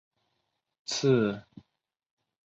刺果峨参是伞形科峨参属的植物。